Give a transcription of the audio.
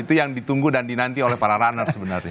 itu yang ditunggu dan dinanti oleh para runner sebenarnya